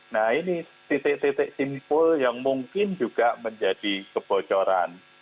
nah ini titik titik simpul yang mungkin juga menjadi kebocoran